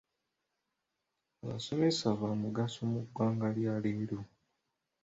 Abasomesa baamugaso mu ggwanga lya leero.